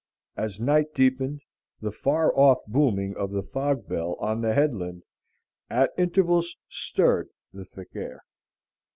As night deepened, the far off booming of the fog bell on the headland at intervals stirred the thick air.